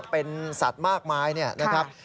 เป็นสัตว์มากมายนะครับ